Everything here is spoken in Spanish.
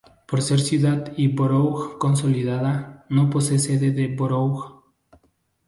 Por ser ciudad y borough consolidada, no posee sede de borough.